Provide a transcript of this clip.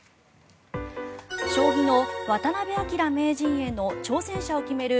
将棋の渡辺明名人への挑戦者を決める